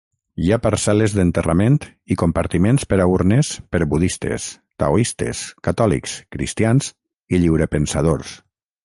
Hi ha parcel·les d'enterrament i compartiments per a urnes per budistes, taoistes, catòlics, cristians i lliurepensadors.